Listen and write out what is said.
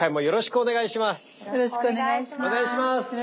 よろしくお願いします。